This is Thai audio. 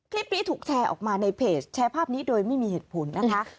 คลิปนี้ถูกแชร์ออกมาในเพจแชร์ภาพนี้โดยไม่มีเหตุผลนะคะ